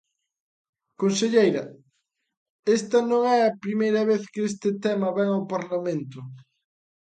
Conselleira, esta non é a primeira vez que este tema vén ao Parlamento.